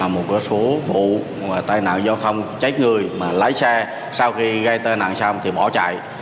một số vụ tai nạn giao thông chết người mà lái xe sau khi gây tai nạn xong thì bỏ chạy